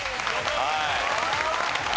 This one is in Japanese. はい。